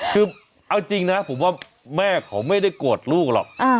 คือเอาจริงนะผมว่าแม่เขาไม่ได้โกรธลูกหรอก